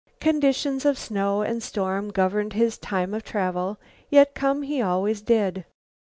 Conditions of snow and storm governed his time of travel, yet come he always did.